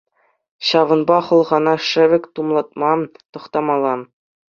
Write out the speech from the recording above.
Ҫавӑнпа хӑлхана шӗвек тумлатма тӑхтамалла.